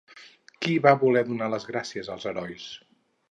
Qui va voler donar les gràcies als herois?